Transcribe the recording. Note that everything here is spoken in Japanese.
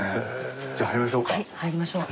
じゃあ入りましょうか？